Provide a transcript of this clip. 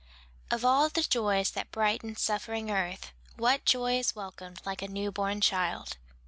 "Of all the joys that brighten suffering earth, What joy is welcom'd like a new born child."